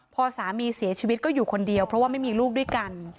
พอสามีเสียชีวิตก็อยู่คนเดียวเพราะว่าไม่มีลูกด้วยกัน